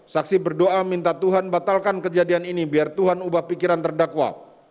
saksi berdoa minta tuhan batalkan kejadian ini biar tuhan ubah pikiran terdakwa